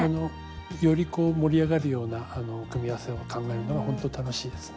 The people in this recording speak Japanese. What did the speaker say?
より盛り上がるような組み合わせを考えるのがほんと楽しいですね。